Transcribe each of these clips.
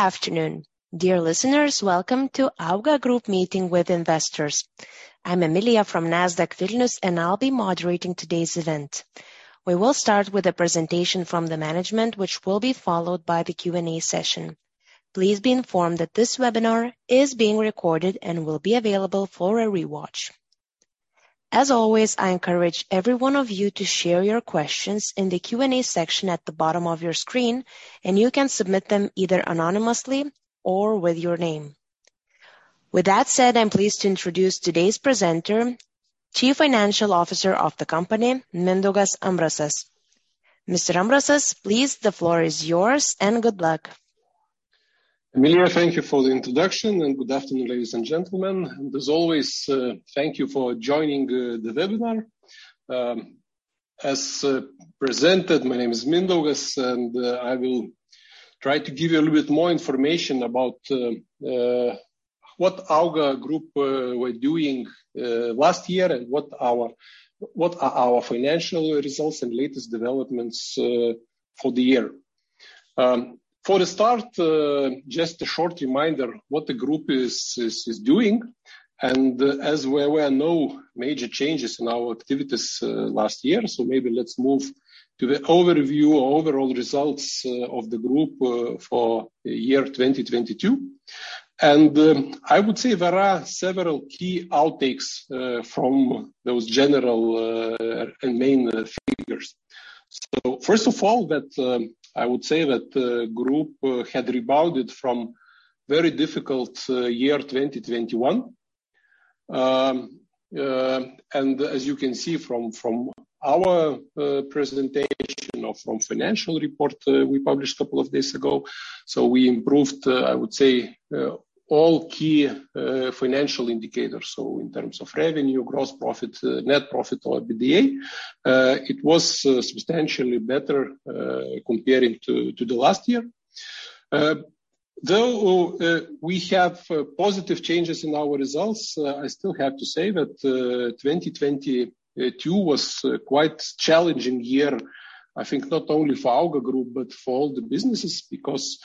Afternoon. Dear listeners, welcome to AUGA group meeting with investors. I'm Emilia from Nasdaq Vilnius, and I'll be moderating today's event. We will start with a presentation from the management, which will be followed by the Q&A session. Please be informed that this webinar is being recorded and will be available for a rewatch. As always, I encourage every 1 of you to share your questions in the Q&A section at the bottom of your screen, and you can submit them either anonymously or with your name. With that said, I'm pleased to introduce today's presenter, Chief Financial Officer of the company, Mindaugas Ambrasas. Mr. Ambrasas, please, the floor is yours, and good luck. Emilia, thank you for the introduction. Good afternoon, ladies and gentlemen. As always, thank you for joining the webinar. As presented, my name is Mindaugas. I will try to give you a little bit more information about what AUGA group were doing last year and what are our financial results and latest developments for the year. For the start, just a short reminder what the group is doing. As there were no major changes in our activities last year, maybe let's move to the overview or overall results of the group for the year 2022. I would say there are several key outtakes from those general and main figures. That, I would say that the group had rebounded from very difficult year 2021. As you can see from our presentation or from financial report, we published a couple of days ago, we improved, I would say, all key financial indicators. In terms of revenue, gross profit, net profit, or EBITDA, it was substantially better comparing to the last year. Though we have positive changes in our results, I still have to say that 2022 was quite challenging year, I think not only for AUGA group, but for all the businesses because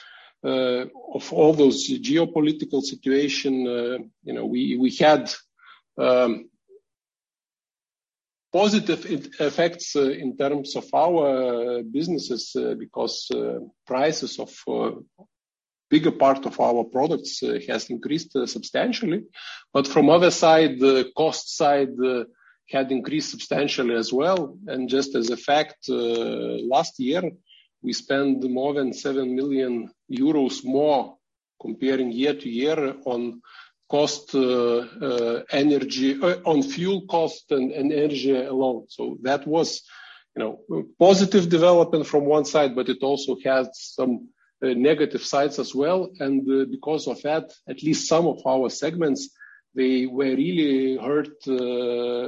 of all those geopolitical situation, you know, we had positive effects in terms of our businesses, because prices of bigger part of our products has increased substantially. From other side, the cost side had increased substantially as well. Just as a fact, last year, we spent more than 7 million euros more comparing year-over-year on cost, on fuel cost and energy alone. That was, you know, positive development from 1 side, but it also had some negative sides as well. Because of that, at least some of our segments, they were really hurt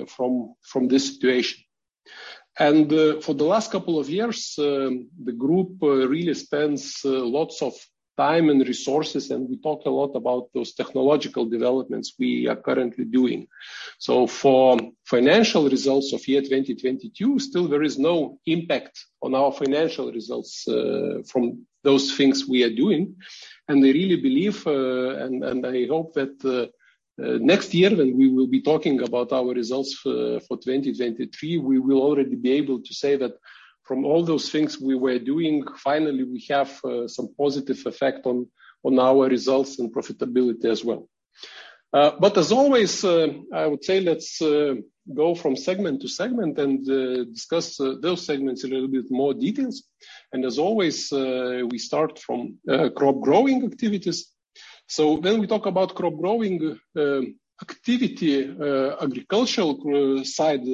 from this situation. For the last couple of years, the group really spends lots of time and resources, and we talk a lot about those technological developments we are currently doing. For financial results of year 2022, still there is no impact on our financial results from those things we are doing. I really believe and I hope that next year when we will be talking about our results for 2023, we will already be able to say that from all those things we were doing, finally, we have some positive effect on our results and profitability as well. As always, I would say let's go from segment to segment and discuss those segments a little bit more details. As always, we start from crop growing activities. When we talk about crop growing activity, agricultural side,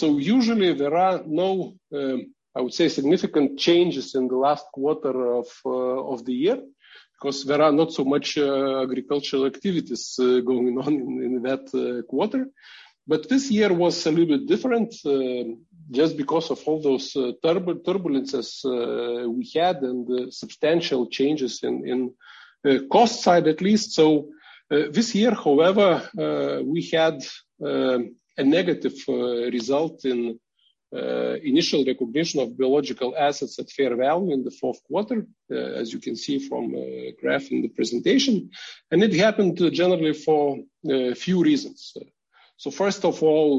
usually there are no, I would say, significant changes in the last 1/4 of the year because there are not so much agricultural activities going on in that 1/4. This year was a little bit different just because of all those turbulences we had and the substantial changes in cost side at least. This year, however, we had a negative result in initial recognition of biological assets at fair value in the 4th 1/4, as you can see from graph in the presentation. It happened generally for a few reasons. First of all,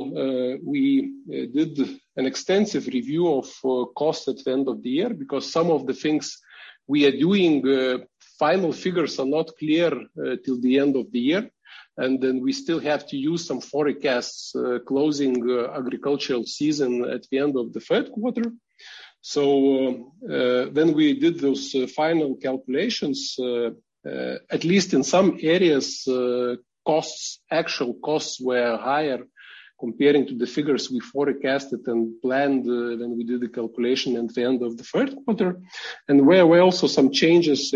we did an extensive review of costs at the end of the year because some of the things we are doing, final figures are not clear till the end of the year. We still have to use some forecasts, closing agricultural season at the end of the 1/3 1/4. When we did those final calculations, at least in some areas, costs, actual costs were higher comparing to the figures we forecasted and planned when we did the calculation at the end of the 1/3 1/4. There were also some changes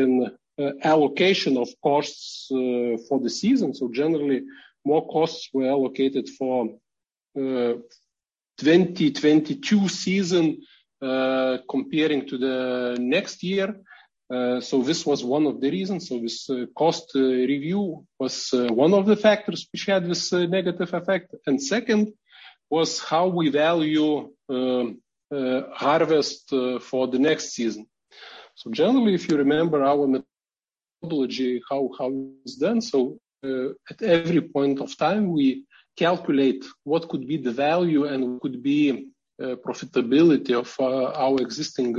in allocation of costs for the season. Generally, more costs were allocated for 2022 season comparing to the next year. This was 1 of the reasons. This cost review was 1 of the factors which had this negative effect. Second was how we value harvest for the next season. Generally, if you remember our methodology, how it's done. At every point of time, we calculate what could be the value and what could be profitability of our existing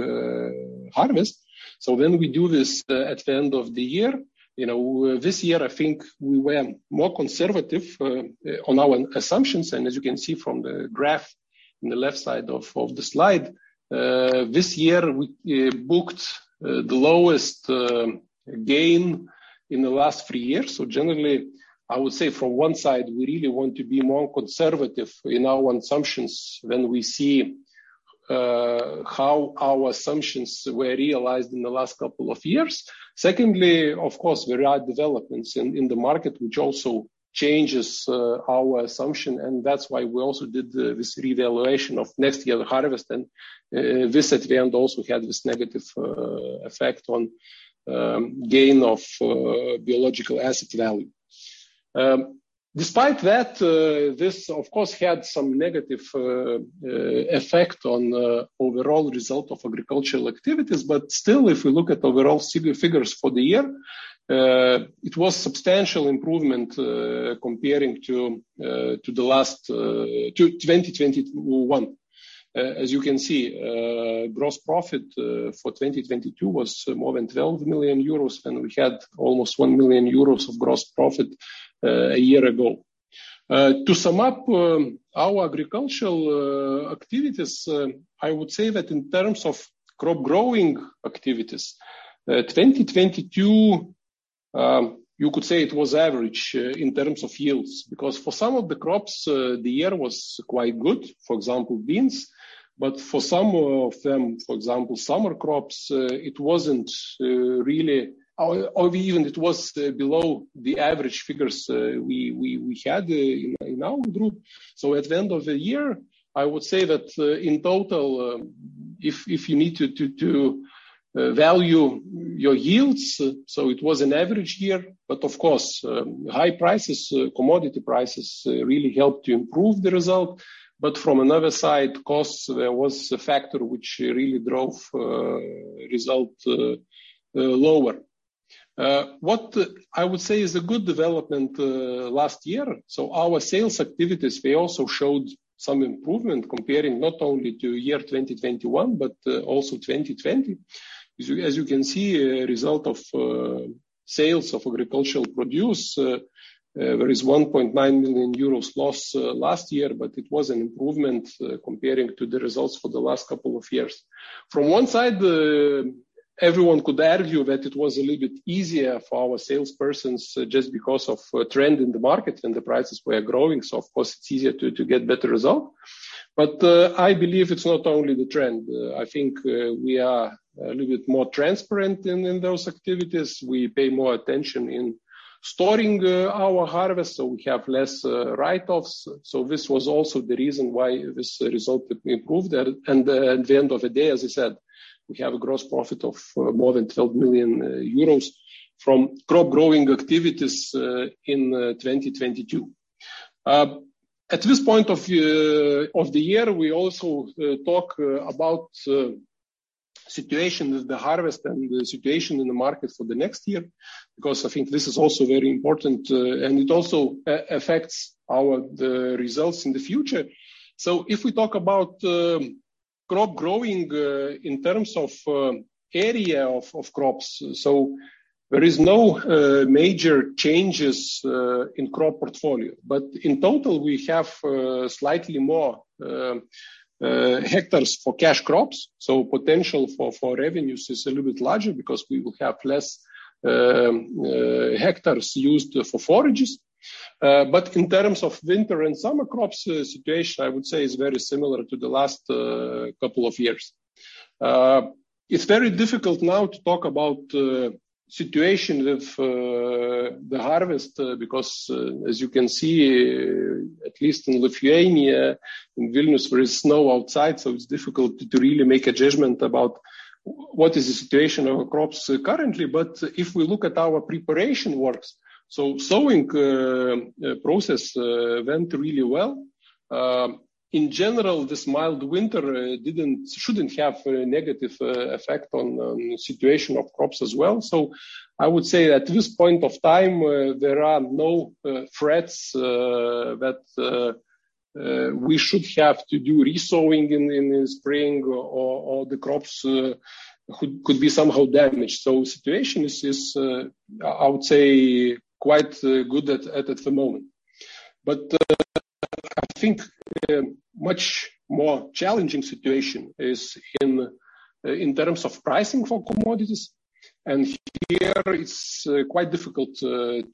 harvest. Then we do this at the end of the year. You know, this year, I think we were more conservative on our assumptions. As you can see from the graph in the left side of the Slide, this year we booked the lowest gain in the last 3 years. Generally, I would say from 1 side, we really want to be more conservative in our assumptions when we see how our assumptions were realized in the last couple of years. Secondly, of course, there are developments in the market which also changes our assumption. That's why we also did this revaluation of next year harvest. This at the end also had this negative effect on gain of biological asset value. Despite that, this of course, had some negative effect on overall result of agricultural activities. Still, if we look at overall figures for the year, it was substantial improvement comparing to the last to 2021. As you can see, gross profit for 2022 was more than 12 million euros, and we had almost 1 million euros of gross profit a year ago. To sum up, our agricultural activities, I would say that in terms of crop growing activities, 2022, you could say it was average in terms of yields. For some of the crops, the year was quite good, for example, beans. For some of them, for example, summer crops, it wasn't really. Or even it was below the average figures we had in our group. At the end of the year, I would say that, in total, if you need to value your yields, so it was an average year. Of course, high prices, commodity prices, really helped to improve the result. From another side, costs, there was a factor which really drove result lower. What I would say is a good development last year. Our sales activities, they also showed some improvement comparing not only to year 2021, but also 2020. As you, as you can see, a result of sales of agricultural produce, there is 1.9 million euros loss last year. It was an improvement comparing to the results for the last couple of years. From 1 side, everyone could argue that it was a little bit easier for our salespersons just because of a trend in the market and the prices were growing, so of course, it's easier to get better result. I believe it's not only the trend. I think, we are a little bit more transparent in those activities. We pay more attention in storing, our harvest, so we have less write-offs. This was also the reason why this result improved. At the end of the day, as I said, we have a gross profit of more than 12 million euros from crop growing activities in 2022. At this point of the year, we also talk about situation with the harvest and the situation in the market for the next year, because I think this is also very important, and it also affects the results in the future. If we talk about crop growing, in terms of area of crops, there is no major changes in crop portfolio. In total, we have slightly more hectares for cash crops. Potential for revenues is a little bit larger because we will have less hectares used for forages. In terms of winter and summer crops situation, I would say is very similar to the last couple of years. It's very difficult now to talk about situation with the harvest because as you can see, at least in Lithuania, in Vilnius, there is snow outside. It's difficult to really make a judgment about what is the situation of our crops currently. If we look at our preparation works, sowing process went really well. In general, this mild winter shouldn't have a negative effect on situation of crops as well. I would say at this point of time, there are no threats that we should have to do resowing in the spring or the crops could be somehow damaged. Situation is I would say quite good at the moment. I think a much more challenging situation is in terms of pricing for commodities. Here it's quite difficult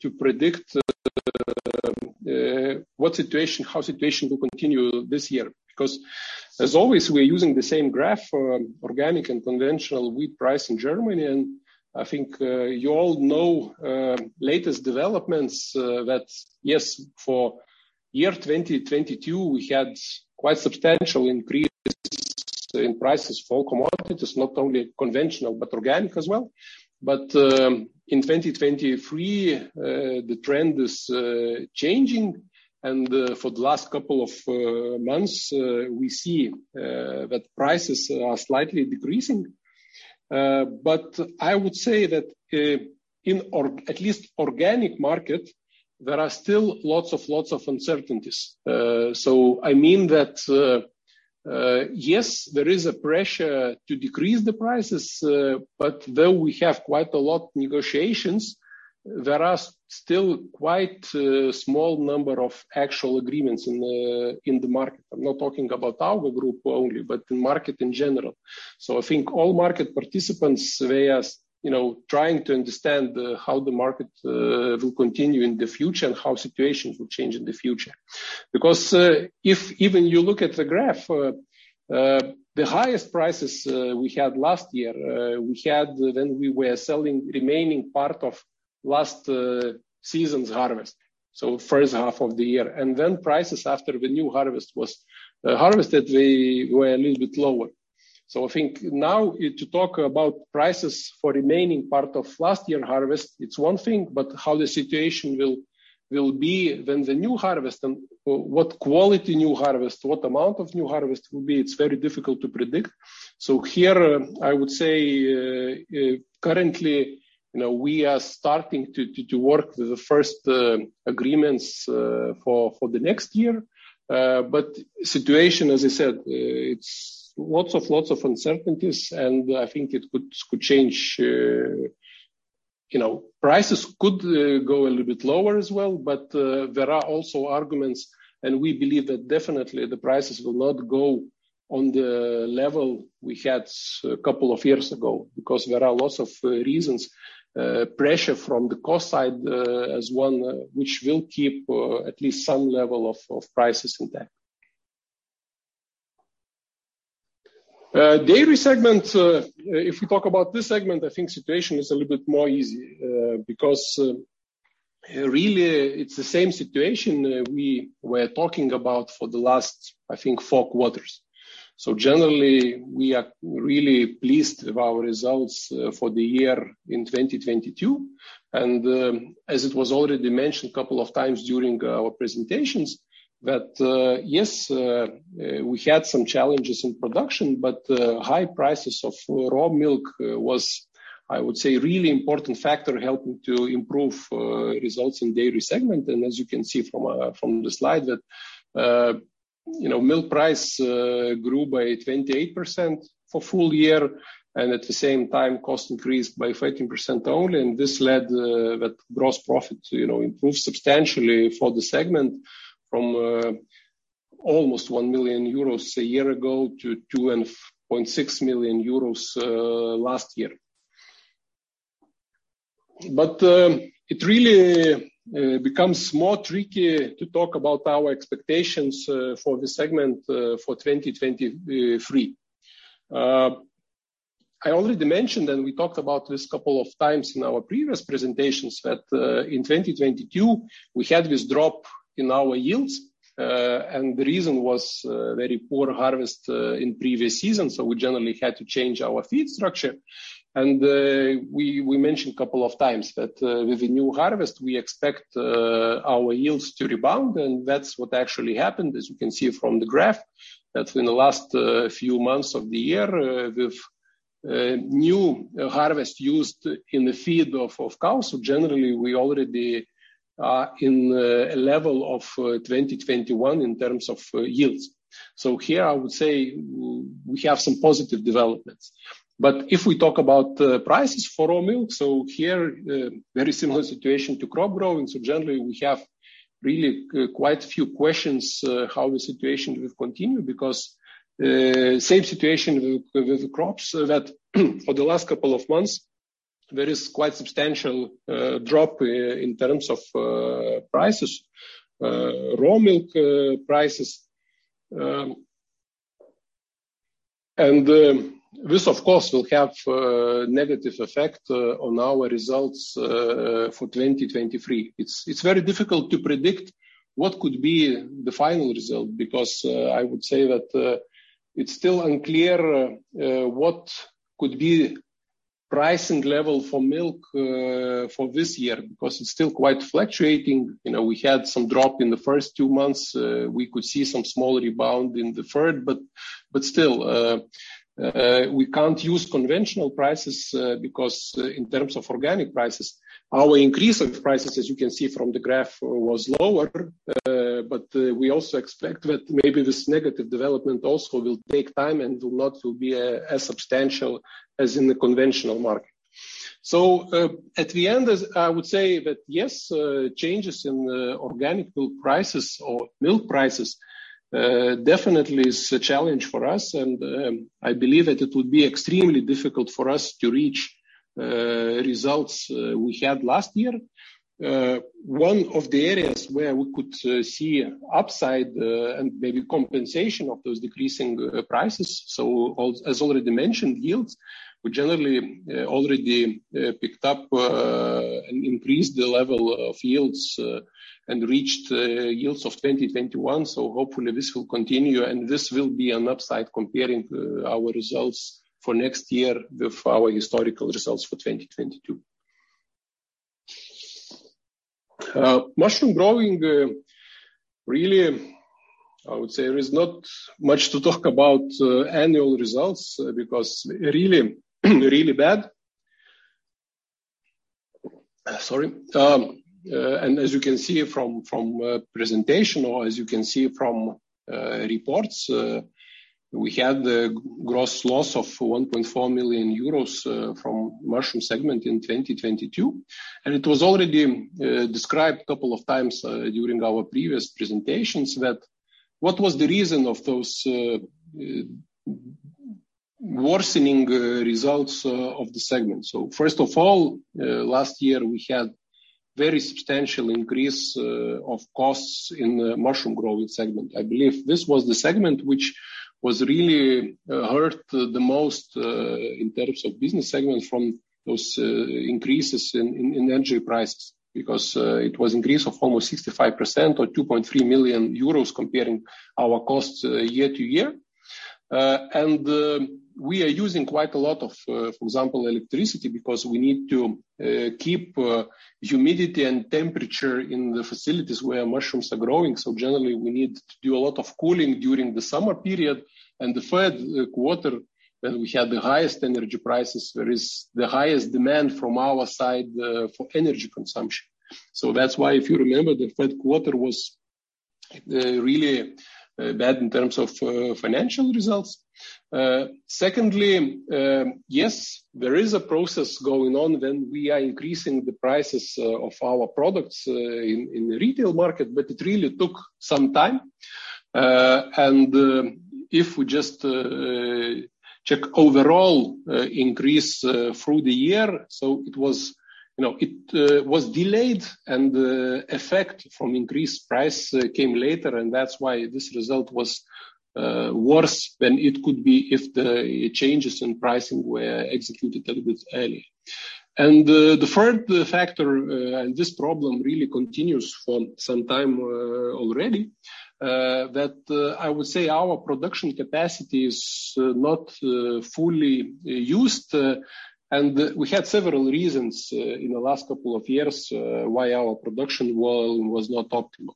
to predict what situation, how situation will continue this year. As always, we're using the same graph for organic and conventional wheat price in Germany. I think you all know latest developments that yes, for year 2022, we had quite substantial increase in prices for commodities, not only conventional, but organic as well. In 2023, the trend is changing, and for the last couple of months, we see that prices are slightly decreasing. I would say that in or at least organic market, there are still lots of lots of uncertainties. I mean that, yes, there is a pressure to decrease the prices, though we have quite a lot negotiations, there are still quite a small number of actual agreements in the market. I'm not talking about our group only, but the market in general. I think all market participants, they are, you know, trying to understand how the market will continue in the future and how situations will change in the future. If even you look at the graph, the highest prices we had last year, we had when we were selling remaining part of last season's harvest, so first 1/2 of the year. Prices after the new harvest was harvested were a little bit lower. I think now you to talk about prices for remaining part of last year and harvest, it's 1 thing, but how the situation will be when the new harvest and what quality new harvest, what amount of new harvest will be, it's very difficult to predict. Here, I would say, currently, you know, we are starting to work with the first agreements for the next year. Situation, as I said, it's lots of uncertainties, and I think it could change. You know, prices could go a little bit lower as well, but there are also arguments, and we believe that definitely the prices will not go on the level we had a couple of years ago because there are lots of reasons. Pressure from the cost side, as 1 which will keep at least some level of prices intact. Dairy segment, if we talk about this segment, I think situation is a little bit more easy, because really, it's the same situation we were talking about for the last, I think, 4 1/4s. Generally, we are really pleased with our results for the year in 2022. As it was already mentioned a couple of times during our presentations that, yes, we had some challenges in production, but high prices of raw milk was, I would say, a really important factor helping to improve results in dairy segment. As you can see from the Slide that, you know, milk price grew by 28% for full year, and at the same time, cost increased by 13% only. This led that gross profit to, you know, improve substantially for the segment from almost 1 million euros a year ago to 2.6 million euros last year. It really becomes more tricky to talk about our expectations for this segment for 2023. I already mentioned, and we talked about this a couple of times in our previous presentations, that in 2022, we had this drop in our yields, and the reason was very poor harvest in previous season. We generally had to change our feed structure. We mentioned a couple of times that with the new harvest, we expect our yields to rebound, and that's what actually happened, as you can see from the graph. In the last few months of the year, with new harvest used in the field of cows. Generally, we already are in a level of 2021 in terms of yields. Here I would say we have some positive developments. If we talk about the prices for raw milk, here very similar situation to crop growing. Generally, we have really quite a few questions how the situation will continue because same situation with the crops that for the last couple of months, there is quite substantial drop in terms of prices, raw milk prices. This, of course, will have negative effect on our results for 2023. It's very difficult to predict what could be the final result because I would say that it's still unclear what could be pricing level for milk for this year because it's still quite fluctuating. You know, we had some drop in the first 2 months. We could see some small rebound in the 1/3, but still, we can't use conventional prices because in terms of organic prices, our increase of prices, as you can see from the graph, was lower. We also expect that maybe this negative development also will take time and will not to be as substantial as in the conventional market. At the end, as I would say that, yes, changes in organic milk prices or milk prices definitely is a challenge for us. I believe that it would be extremely difficult for us to reach results we had last year. 1 of the areas where we could see upside and maybe compensation of those decreasing prices. As already mentioned, yields. We generally already picked up and increased the level of yields and reached yields of 2021. Hopefully this will continue, and this will be an upside comparing our results for next year with our historical results for 2022. Mushroom growing, really, I would say there is not much to talk about annual results because really bad. Sorry. As you can see from presentation or as you can see from reports, we had the gross loss of 1.4 million euros from mushroom segment in 2022. It was already described couple of times during our previous presentations what was the reason of those worsening results of the segment. First of all, last year we had very substantial increase of costs in the mushroom growing segment. I believe this was the segment which was really hurt the most in terms of business segment from those increases in energy prices, because it was increase of almost 65% or 2.3 million euros comparing our costs year-to-year. We are using quite a lot of, for example, electricity because we need to keep humidity and temperature in the facilities where mushrooms are growing. Generally, we need to do a lot of cooling during the summer period. The 1/3 1/4, when we had the highest energy prices, there is the highest demand from our side for energy consumption. That's why, if you remember, the 1/3 1/4 was really bad in terms of financial results. Secondly, yes, there is a process going on when we are increasing the prices of our products in the retail market, but it really took some time. If we just check overall increase through the year, so it was, you know, it was delayed and the effect from increased price came later, and that's why this result was worse than it could be if the changes in pricing were executed a little bit early. The 1/3 factor, and this problem really continues for some time already, that I would say our production capacity is not fully used. We had several reasons in the last couple of years why our production volume was not optimal.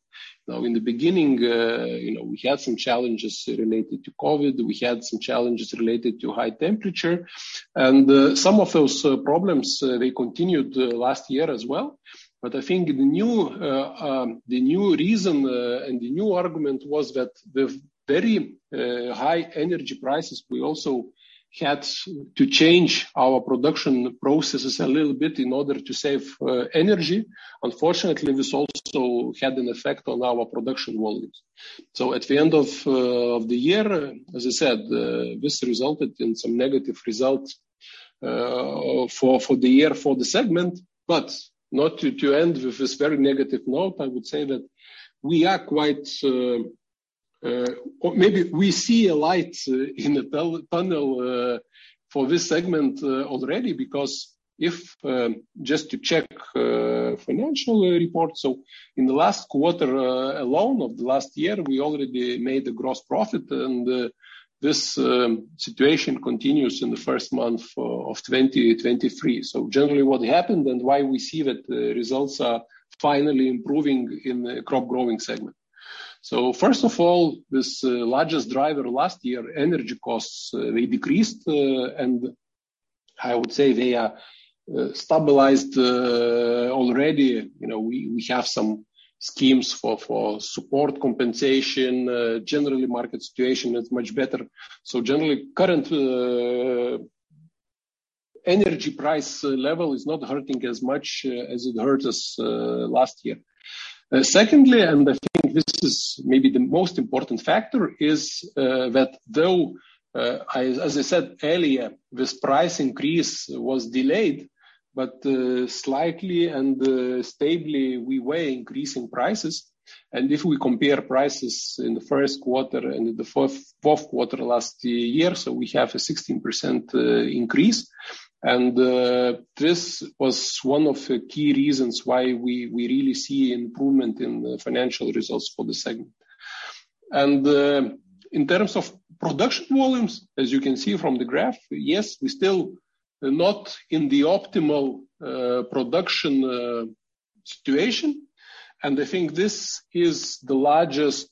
Now, in the beginning, you know, we had some challenges related to COVID, we had some challenges related to high temperature, and some of those problems, they continued last year as well. I think the new, the new reason, and the new argument was that the very high energy prices, we also had to change our production processes a little bit in order to save energy. Unfortunately, this also had an effect on our production volumes. At the end of the year, as I said, this resulted in some negative results for the year for the segment. Not to end with this very negative note, I would say that we are quite. Or maybe we see a light in the tunnel for this segment already because if just to check financial reports. In the last 1/4 alone of the last year, we already made a gross profit and this situation continues in the first month of 2023. Generally what happened and why we see that the results are finally improving in the crop growing segment. First of all, this largest driver last year, energy costs, they decreased and I would say they are stabilized already. You know, we have some schemes for support compensation. Generally market situation is much better. Generally current energy price level is not hurting as much as it hurt us last year. Secondly, and I think this is maybe the most important factor, is that though, as I said earlier, this price increase was delayed, but slightly and stably, we were increasing prices. If we compare prices in the first 1/4 and in the 4th 1/4 last year, we have a 16% increase. This was 1 of the key reasons why we really see improvement in the financial results for the segment. In terms of production volumes, as you can see from the graph, yes, we're still not in the optimal production situation. I think this is the largest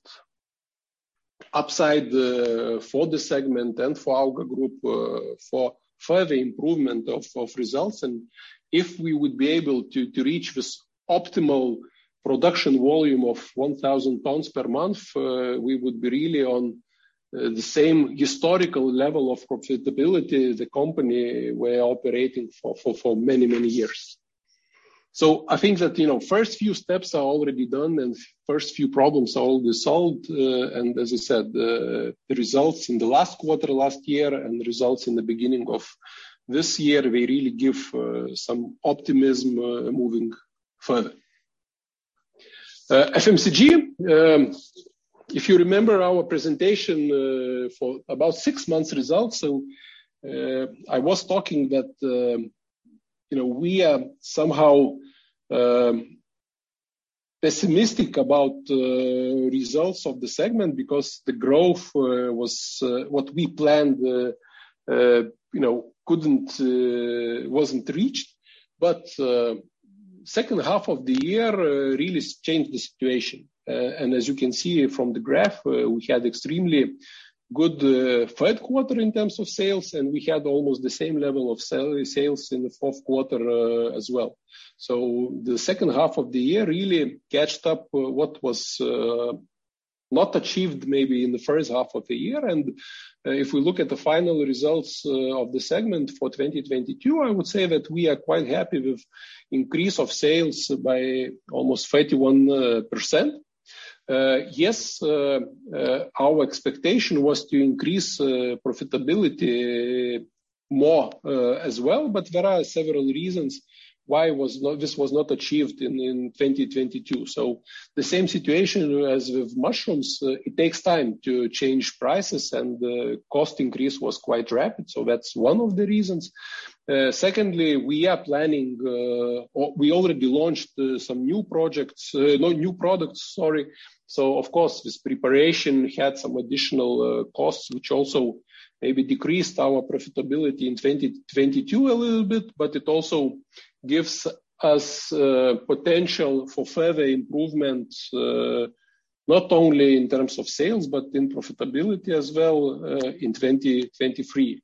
upside for the segment and for AUGA group for further improvement of results. If we would be able to reach this optimal production volume of 1,000 tons per month, we would be really on the same historical level of profitability the company were operating for many, many years. I think that first few steps are already done and first few problems are already solved. And as I said, the results in the last 1/4 last year and the results in the beginning of this year, they really give some optimism moving further. FMCG, if you remember our presentation for about 6 months results, I was talking that we are somehow Pessimistic about results of the segment because the growth was what we planned couldn't wasn't reached. Second 1/2 of the year really changed the situation. And as you can see from the graph, we had extremely good 1/3 1/4 in terms of sales, and we had almost the same level of sales in the 4th 1/4 as well. The second 1/2 of the year really catched up, what was not achieved maybe in the first 1/2 of the year. If we look at the final results of the segment for 2022, I would say that we are quite happy with increase of sales by almost 31%. Yes, our expectation was to increase profitability more as well, but there are several reasons why this was not achieved in 2022. The same situation as with mushrooms. It takes time to change prices, and the cost increase was quite rapid. That's 1 of the reasons. Secondly, we are planning, or we already launched some new products, sorry. Of course, this preparation had some additional costs, which also maybe decreased our profitability in 2022 a little bit, but it also gives us potential for further improvement, not only in terms of sales, but in profitability as well, in 2023.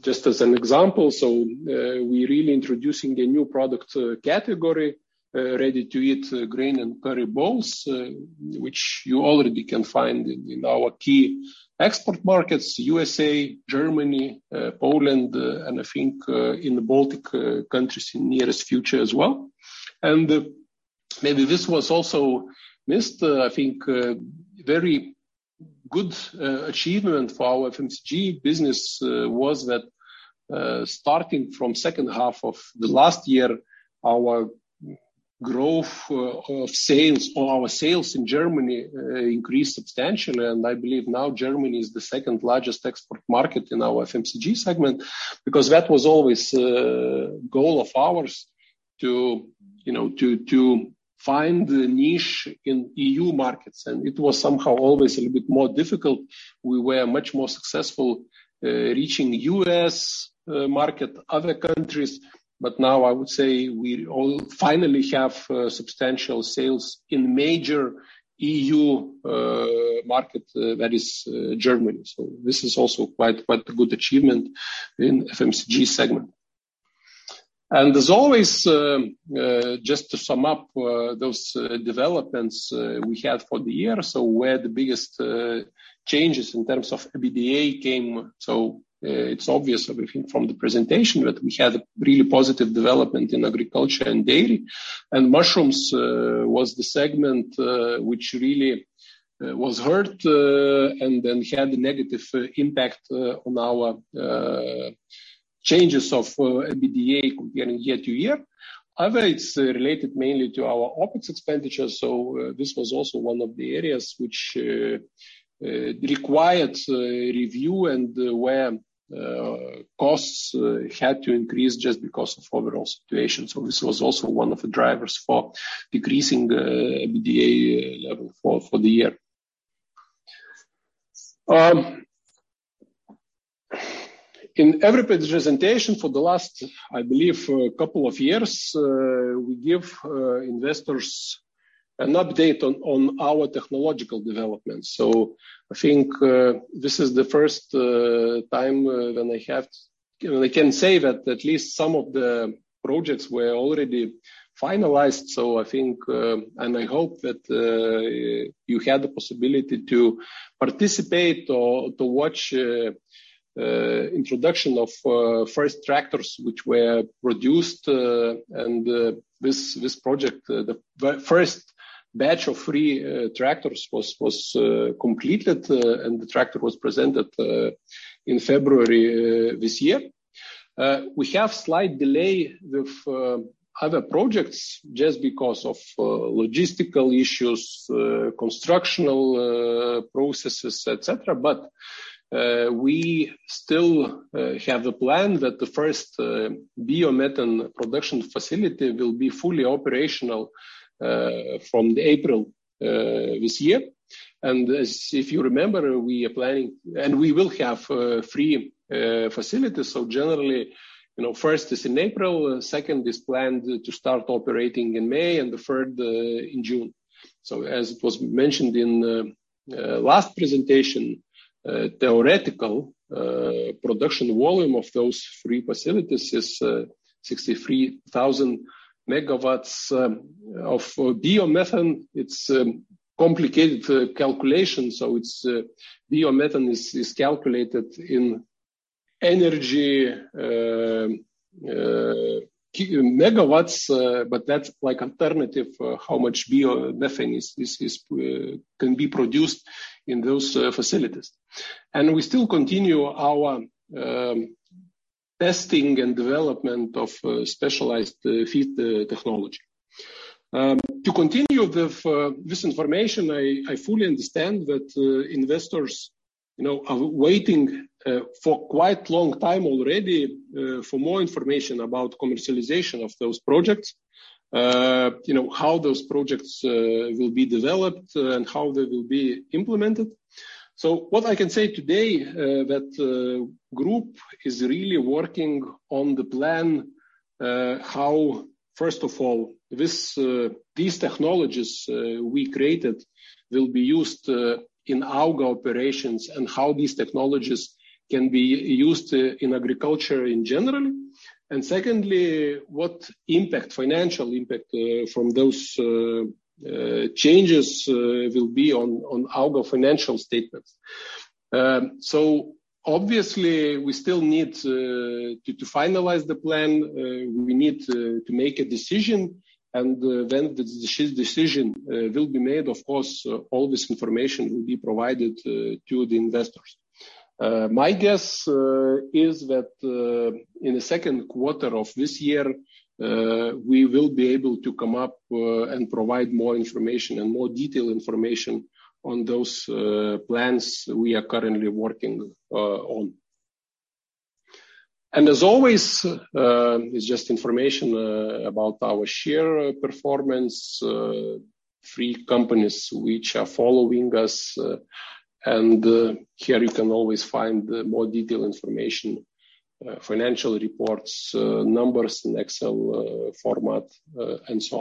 Just as an example, we're really introducing a new product category, ready-to-eat grain and curry bowls, which you already can find in our key export markets, USA, Germany, Poland, and I think in the Baltic countries in nearest future as well. Maybe this was also missed, I think, very good achievement for our FMCG business was that starting from second 1/2 of the last year, our growth of sales or our sales in Germany increased substantially. I believe now Germany is the Second-Largest export market in our FMCG segment because that was always a goal of ours to, you know, to find a niche in EU markets. It was somehow always a little bit more difficult. We were much more successful reaching US market, other countries. Now I would say we all finally have substantial sales in major EU market that is Germany. This is also quite a good achievement in FMCG segment. As always, just to sum up those developments we had for the year. Where the biggest changes in terms of EBITDA came. It's obvious, I think, from the presentation that we had a really positive development in agriculture and dairy. Mushrooms was the segment which really was hurt and then had a negative impact on our changes of EBITDA year-over-year. It's related mainly to our OpEx expenditures. This was also 1 of the areas which required review and where costs had to increase just because of overall situation. This was also 1 of the drivers for decreasing EBITDA level for the year. In every presentation for the last, I believe, couple of years, we give investors an update on our technological developments. I think this is the first time. You know, I can say that at least some of the projects were already finalized. I think, and I hope that you had the possibility to participate or to watch introduction of first tractors which were produced, and this project. The first batch of 3 tractors was completed, and the tractor was presented in February this year. We have slight delay with other projects just because of logistical issues, constructional processes, et cetera. We still have a plan that the first biomethane production facility will be fully operational from April this year. As if you remember, we are planning. We will have 3 facilities. Generally, you know, first is in April, second is planned to start operating in May, and the 1/3 in June. As was mentioned in last presentation, theoretical production volume of those 3 facilities is 63,000 megawatts of biomethane. It's complicated calculation, so biomethane is calculated in energy megawatts, but that's like alternative how much biomethane can be produced in those facilities. We still continue our testing and development of specialized feed technology. To continue with this information, I fully understand that investors, you know, are waiting for quite long time already for more information about commercialization of those projects. You know, how those projects will be developed and how they will be implemented. What I can say today, that group is really working on the plan, how, first of all, these technologies we created will be used in our operations and how these technologies can be used in agriculture in general. Secondly, what impact, financial impact, from those changes will be on our financial statements. Obviously we still need to finalize the plan. We need to make a decision and then the decision will be made. Of course, all this information will be provided to the investors. My guess is that in the second 1/4 of this year, we will be able to come up and provide more information and more detailed information on those plans we are currently working on. As always, it's just information about our share performance, 3 companies which are following us, and here you can always find the more detailed information, financial reports, numbers in Excel format, and so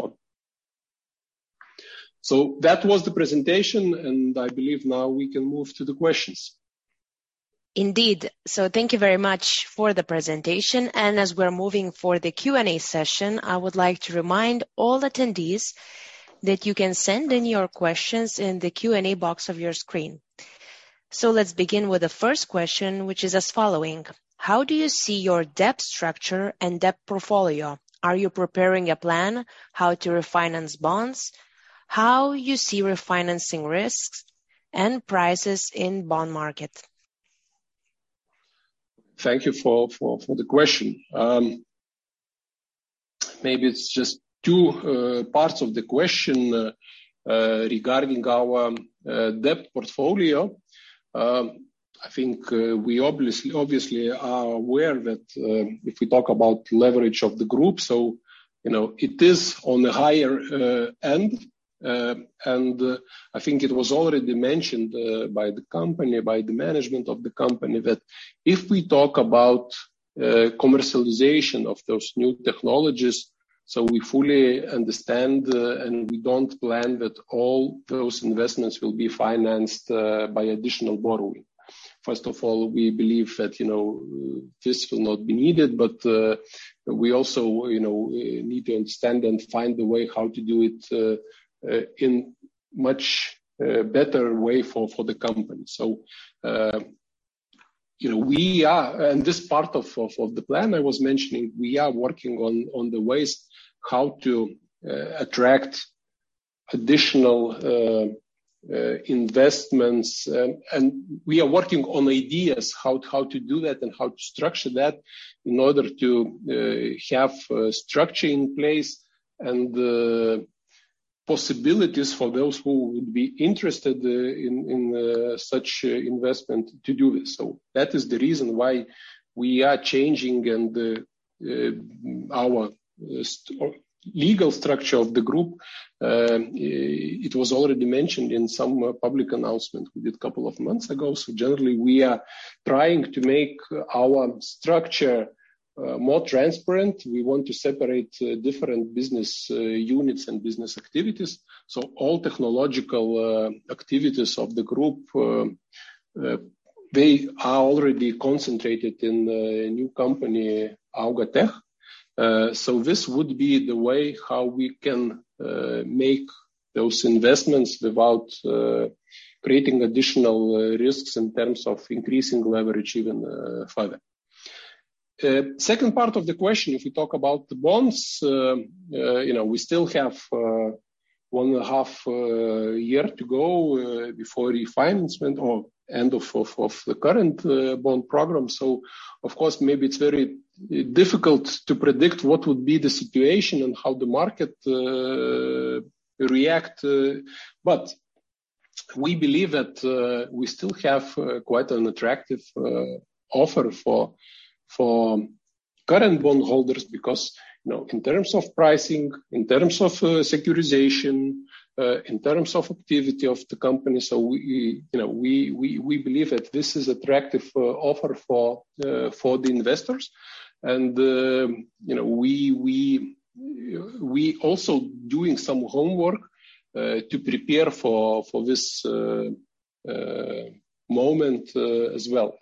on. That was the presentation, and I believe now we can move to the questions. Indeed. Thank you very much for the presentation. As we're moving for the Q&A session, I would like to remind all attendees that you can send in your questions in the Q&A box of your screen. Let's begin with the first question, which is as following: How do you see your debt structure and debt portfolio? Are you preparing a plan how to refinance bonds? How you see refinancing risks and prices in bond market? Thank you for the question. Maybe it's just 2 parts of the question regarding our debt portfolio. I think we obviously are aware that if we talk about leverage of the group, you know, it is on the higher end. I think it was already mentioned by the management of the company that if we talk about commercialization of those new technologies, we fully understand and we don't plan that all those investments will be financed by additional borrowing. First of all, we believe that, you know, this will not be needed, but we also, you know, need to understand and find a way how to do it in much better way for the company. You know, we are... This part of the plan I was mentioning, we are working on the ways how to attract additional investments. We are working on ideas how to do that and how to structure that in order to have a structure in place and possibilities for those who would be interested in such investment to do this. That is the reason why we are changing our legal structure of the Group. It was already mentioned in some public announcement we did a couple of months ago. Generally, we are trying to make our structure more transparent. We want to separate different business units and business activities. All technological activities of the Group, they are already concentrated in the new company, AUGA Tech. This would be the way how we can make those investments without creating additional risks in terms of increasing leverage even further. Second part of the question, if you talk about the bonds, you know, we still have 1 and a 1/2 year to go before refinement or end of the current bond program. Of course, maybe it's very difficult to predict what would be the situation and how the market react. We believe that we still have quite an attractive offer for current bondholders because, you know, in terms of pricing, in terms of securitization, in terms of activity of the company. You know, we believe that this is attractive offer for the investors. You know, we also doing some homework to prepare for this moment as well.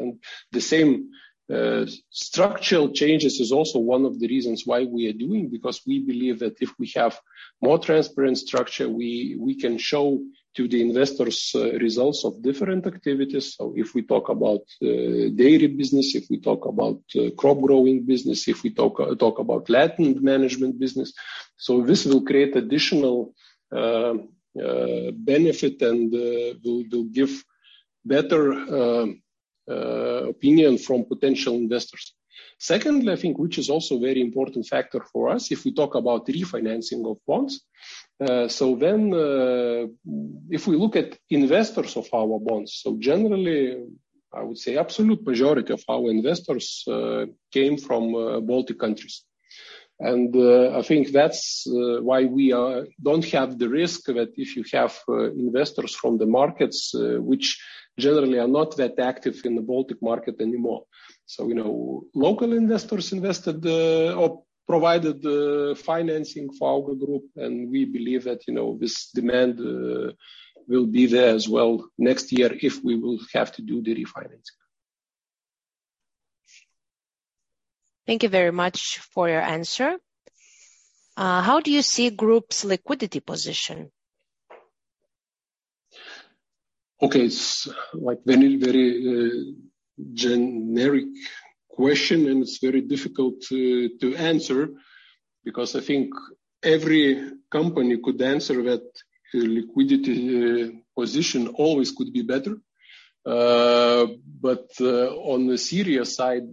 The same structural changes is also 1 of the reasons why we are doing because we believe that if we have more transparent structure, we can show to the investors results of different activities. If we talk about daily business, if we talk about crop growing business, if we talk about latent management business. This will create additional benefit and will give better opinion from potential investors. Secondly, I think which is also very important factor for us if we talk about refinancing of bonds. If we look at investors of our bonds, generally, I would say absolute majority of our investors came from Baltic countries. I think that's why we don't have the risk that if you have investors from the markets which generally are not that active in the Baltic market anymore. You know, local investors provided the financing for our group, and we believe that, you know, this demand will be there as well next year if we will have to do the refinancing. Thank you very much for your answer. How do you see group's liquidity position? Okay. It's like very, very generic question, and it's very difficult to answer because I think every company could answer that the liquidity position always could be better. But on the serious side,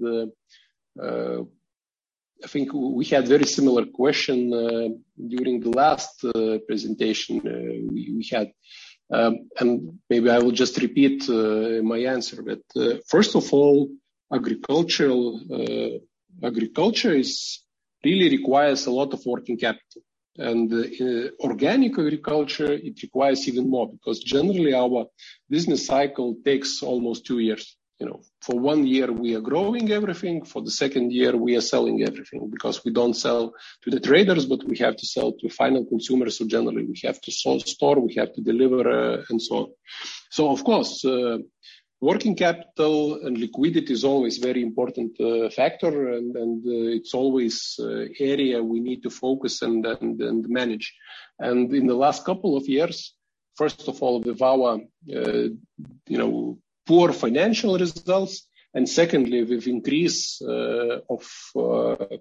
I think we had very similar question during the last presentation we had. Maybe I will just repeat my answer. First of all, agricultural agriculture really requires a lot of working capital. Organic agriculture, it requires even more because generally our business cycle takes almost 2 years. You know, for 1 year we are growing everything, for the second year we are selling everything. We don't sell to the traders, but we have to sell to final consumers. Generally we have to so-store, we have to deliver, and so on. Of course, working capital and liquidity is always very important factor and it's always area we need to focus and manage. In the last couple of years, first of all with our, you know, poor financial results, and secondly with increase of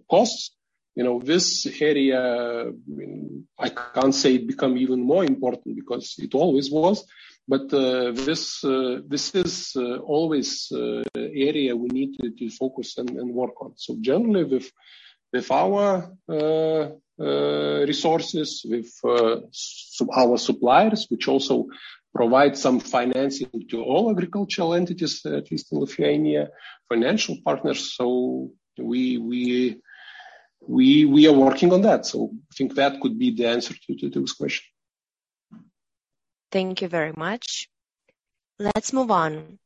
costs, you know, this area, I can't say it become even more important because it always was. This is always area we need to focus and work on. Generally with our resources, with our suppliers which also provide some financing to all agricultural entities, at least in Lithuania, financial partners, we are working on that. I think that could be the answer to this question. Thank you very much. Let's move on.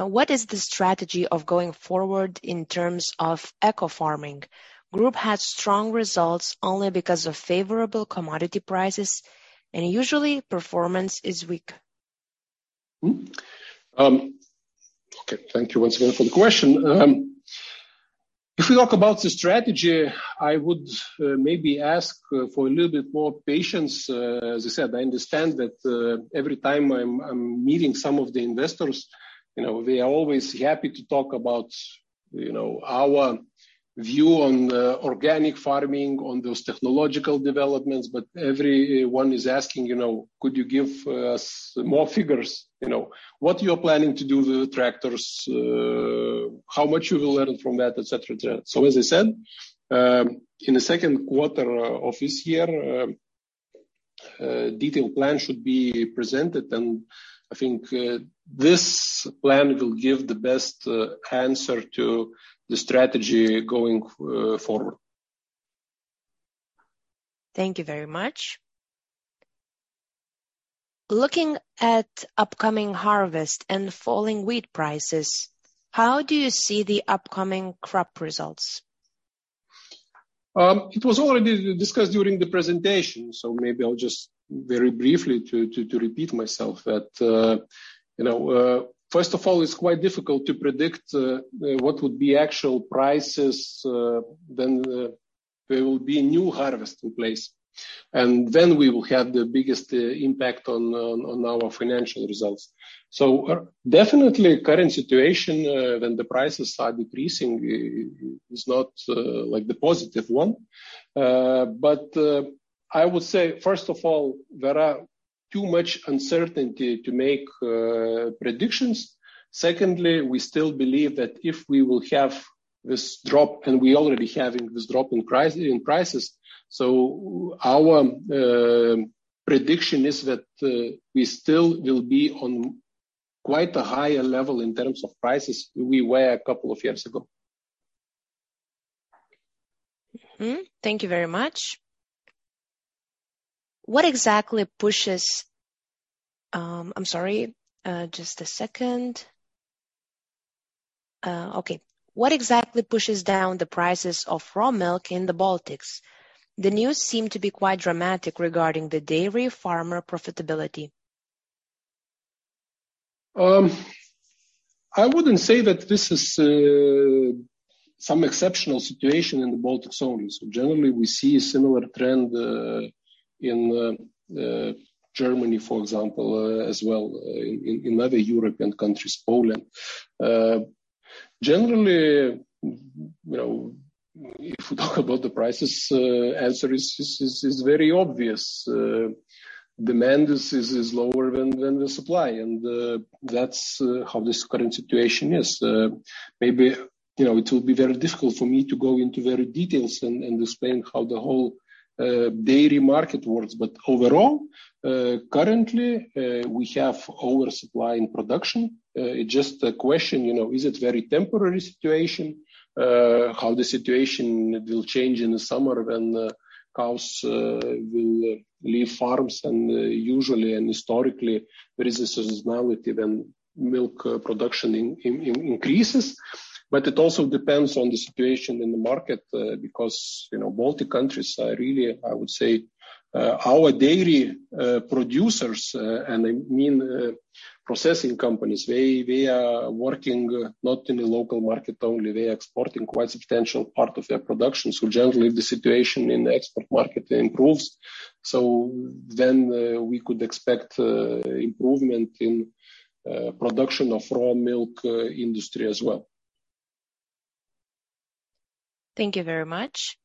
What is the strategy of going forward in terms of eco-farming? Group had strong results only because of favorable commodity prices. Usually performance is weak. Okay. Thank you once again for the question. If we talk about the strategy, I would maybe ask for a little bit more patience. As I said, I understand that every time I'm meeting some of the investors, you know, they are always happy to talk about, you know, our view on organic farming, on those technological developments. Everyone is asking, you know, "Could you give more figures?" You know. "What you're planning to do with the tractors? How much you will earn from that," et cetera, et cetera. As I said, in the second 1/4 of this year, a detailed plan should be presented, and I think this plan will give the best answer to the strategy going forward. Thank you very much. Looking at upcoming harvest and falling wheat prices, how do you see the upcoming crop results? It was already discussed during the presentation, so maybe I'll just very briefly to repeat myself. You know, first of all, it's quite difficult to predict what would be actual prices, then there will be new harvest in place. We will have the biggest impact on our financial results. Definitely current situation, when the prices are decreasing is not like the positive 1. I would say, first of all, there are too much uncertainty to make predictions. Secondly, we still believe that if we will have this drop, and we already having this drop in prices, so our prediction is that we still will be on quite a higher level in terms of prices we were a couple of years ago. Mm-hmm. Thank you very much. I'm sorry. Just a second. Okay. What exactly pushes down the prices of raw milk in the Baltics? The news seem to be quite dramatic regarding the dairy farmer profitability. I wouldn't say that this is some exceptional situation in the Baltic zone. Generally we see a similar trend in Germany, for example, as well, in other European countries, Poland. You know, if we talk about the prices, answer is very obvious. Demand is lower than the supply. That's how this current situation is. Maybe, you know, it will be very difficult for me to go into very details and explain how the whole dairy market works. Overall, currently, we have oversupply in production. It's just a question, you know, is it very temporary situation? How the situation will change in the summer when the cows will leave farms and usually and historically there is a seasonality then milk production increases. It also depends on the situation in the market, because, you know, Baltic countries are really, I would say, our dairy producers, and I mean, processing companies, they are working not in the local market only, they're exporting quite substantial part of their production. Generally, the situation in the export market improves. Then we could expect improvement in production of raw milk industry as well. Thank you very much.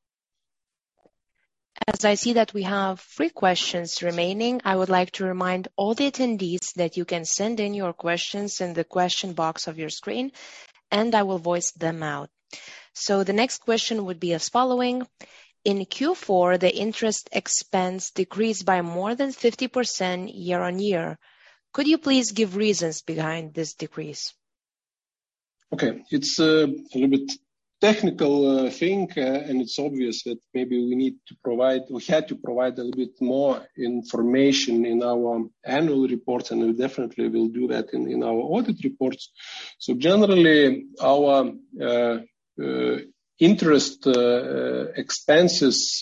As I see that we have 3 questions remaining, I would like to remind all the attendees that you can send in your questions in the question box of your screen, and I will voice them out. The next question would be as following: In Q4, the interest expense decreased by more than 50% year-on-year. Could you please give reasons behind this decrease? It's a little bit technical thing, and it's obvious that maybe we had to provide a little bit more information in our annual report, and we definitely will do that in our audit reports. Generally, our interest expenses,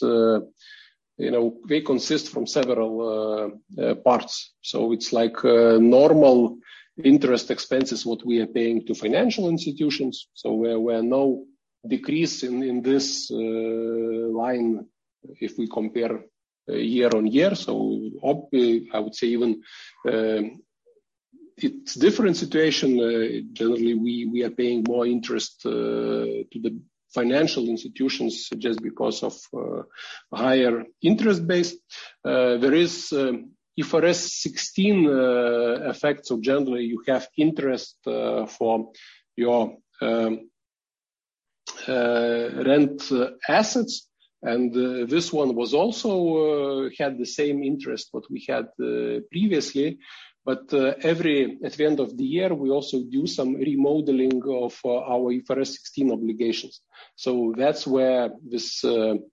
you know, they consist from several parts. It's like normal interest expenses, what we are paying to financial institutions. Where no decrease in this line if we compare year on year. I would say even, it's different situation. Generally, we are paying more interest to the financial institutions just because of higher interest base. There is IFRS 16 effects. Generally, you have interest for your rent assets. This 1 was also had the same interest what we had previously. At the end of the year, we also do some remodeling of our IFRS 16 obligations. That's where this, let's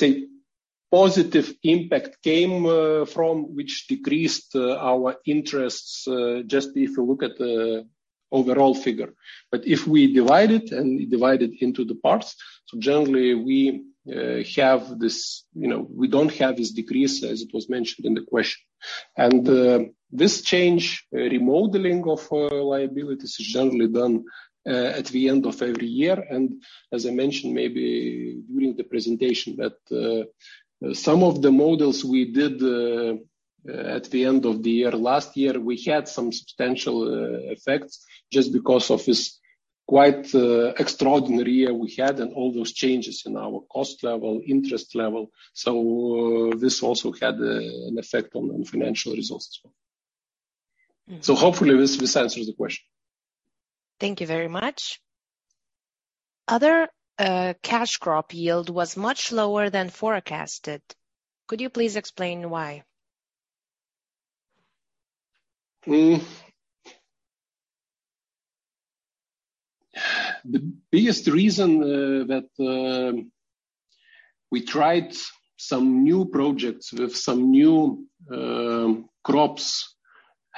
say, positive impact came from which decreased our interests just if you look at the overall figure. If we divide it and divide it into the parts, so generally we have this, you know, we don't have this decrease as it was mentioned in the question. This change, remodeling of our liabilities is generally done at the end of every year. As I mentioned, maybe during the presentation, that some of the models we did at the end of the year, last year, we had some substantial effects just because of this quite extraordinary year we had and all those changes in our cost level, interest level. This also had an effect on the financial results as well. Hopefully this answers the question. Thank you very much. Other cash crop yield was much lower than forecasted. Could you please explain why? The biggest reason that we tried some new projects with some new crops,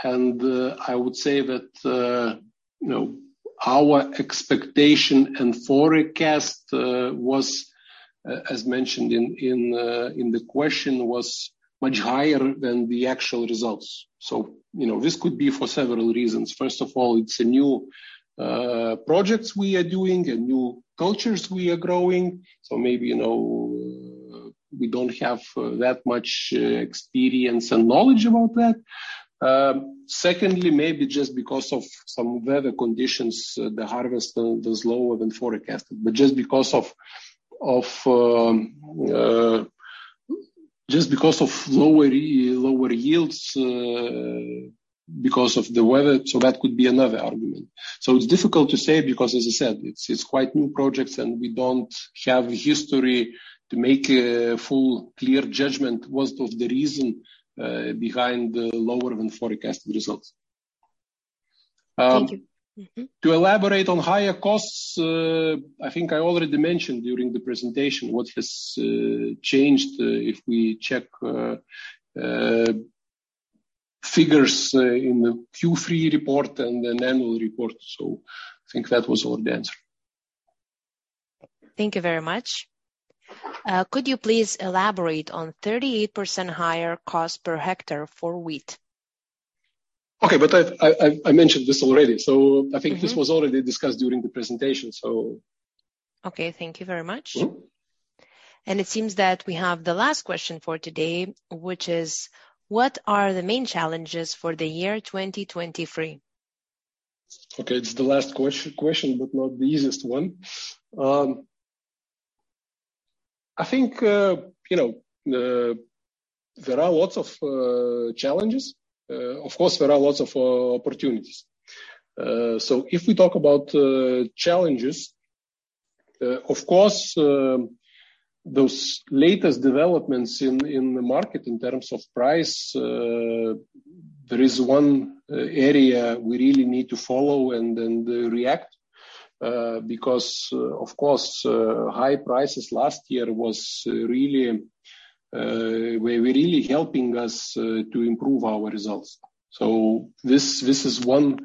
and I would say that, you know, our expectation and forecast was as mentioned in the question, was much higher than the actual results. You know, this could be for several reasons. First of all, it's a new projects we are doing and new cultures we are growing. Maybe, you know, we don't have that much experience and knowledge about that. Secondly, maybe just because of some weather conditions, the harvest is lower than forecasted. Just because of lower yields because of the weather. That could be another argument. It's difficult to say because as I said, it's quite new projects and we don't have history to make a full clear judgment what of the reason behind the lower than forecasted results. Thank you. To elaborate on higher costs, I think I already mentioned during the presentation what has changed if we check figures in the Q3 report and the annual report. I think that was all the answer. Thank you very much. Could you please elaborate on 38% higher cost per hectare for wheat? Okay. I mentioned this already. I think this was already discussed during the presentation, so. Okay. Thank you very much. It seems that we have the last question for today, which is: what are the main challenges for the year 2023? Okay. It's the last question, but not the easiest 1. I think, you know, there are lots of challenges. Of course, there are lots of opportunities. If we talk about challenges, of course, those latest developments in the market in terms of price, there is 1 area we really need to follow and react. Because of course, high prices last year were really helping us to improve our results. This is 1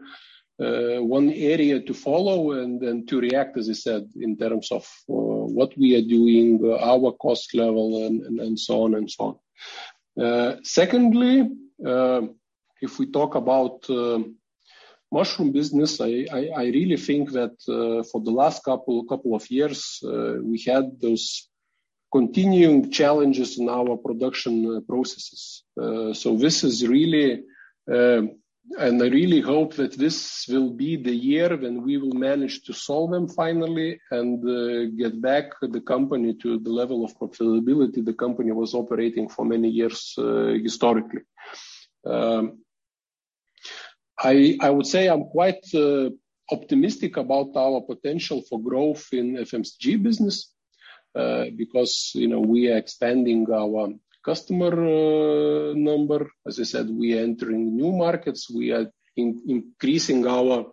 area to follow and then to react, as I said, in terms of what we are doing, our cost level and so on and so on. Secondly, if we talk about mushroom business, I really think that for the last couple of years, we had those continuing challenges in our production processes. This is really, and I really hope that this will be the year when we will manage to solve them finally and get back the company to the level of profitability the company was operating for many years historically. I would say I'm quite optimistic about our potential for growth in FMCG business, because, you know, we are expanding our customer number. As I said, we are entering new markets. We are increasing our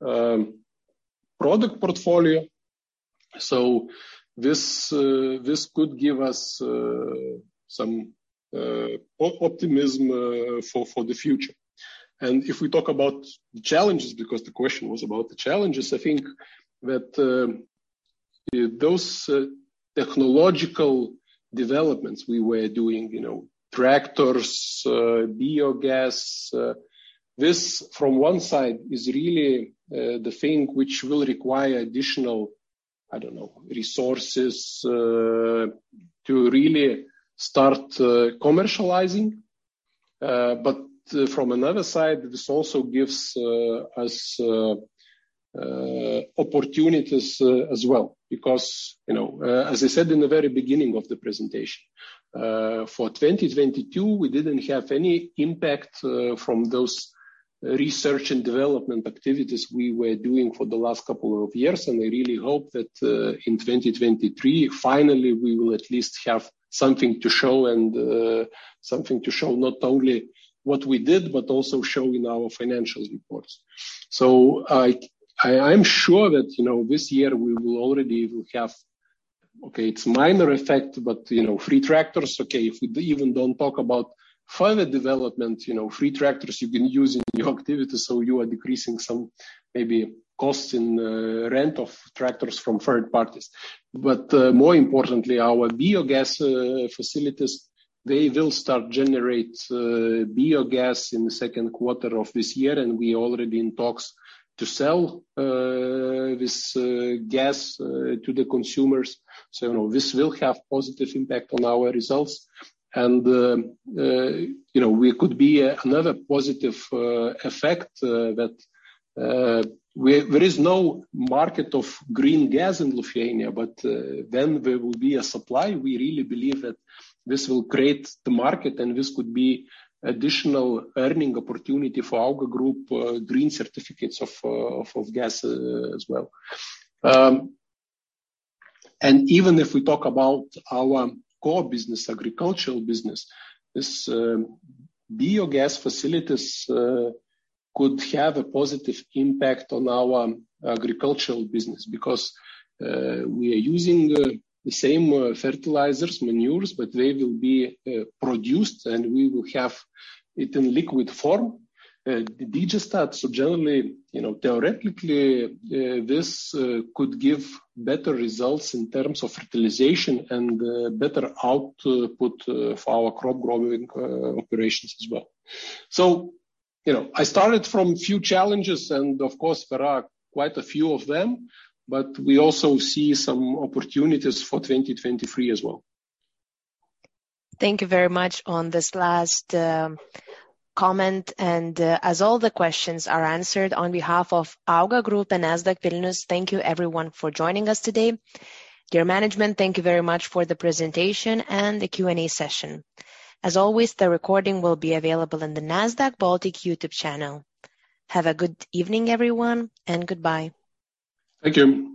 product portfolio. This could give us some optimism for the future. If we talk about the challenges, because the question was about the challenges, I think that those technological developments we were doing, you know, tractors, biogas, this from 1 side is really the thing which will require additional, I don't know, resources to really start commercializing. From another side, this also gives us opportunities as well. You know, as I said in the very beginning of the presentation, for 2022, we didn't have any impact from those research and development activities we were doing for the last couple of years. I really hope that in 2023, finally, we will at least have something to show. Something to show not only what we did, but also show in our financial reports. I'm sure that, you know, this year we will already will have... okay, it's minor effect, but, you know, free tractors. Okay, if we even don't talk about further development, you know, free tractors you've been using in your activities, so you are decreasing some maybe costs in rent of tractors from 1/3 parties. More importantly, our biogas facilities, they will start generate biogas in the second 1/4 of this year, and we already in talks to sell this gas to the consumers. You know, this will have positive impact on our results. You know, we could be another positive effect that we there is no market of green gas in Lithuania, but then there will be a supply. We really believe that this will create the market, and this could be additional earning opportunity for AUGA group, green certificates of gas as well. Even if we talk about our core business, agricultural business, this biogas facilities could have a positive impact on our agricultural business because we are using the same fertilizers, manures, but they will be produced, and we will have it in liquid form. The digestate, so generally, you know, theoretically, this could give better results in terms of fertilization and better output for our crop growing operations as well. You know, I started from few challenges, and of course there are quite a few of them, but we also see some opportunities for 2023 as well. Thank you very much on this last comment. As all the questions are answered, on be1/2 of AUGA group and Nasdaq Vilnius, thank you everyone for joining us today. Dear management, thank you very much for the presentation and the Q&A session. As always, the recording will be available in the Nasdaq Baltic YouTube channel. Have a good evening, everyone, and goodbye. Thank you.